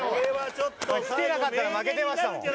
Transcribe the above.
来てなかったら負けてましたもん。